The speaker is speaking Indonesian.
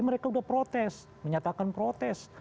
mereka sudah protes menyatakan protes